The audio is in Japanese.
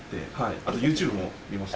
あとＹｏｕＴｕｂｅも見ました。